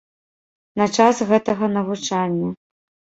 На час гэтага навучання.